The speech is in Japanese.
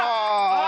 あ！